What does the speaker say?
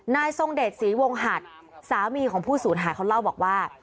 ทรงเดชศรีวงหัดสามีของผู้สูญหายเขาเล่าบอกว่า